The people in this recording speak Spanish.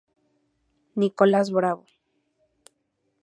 Nicolás Bravo.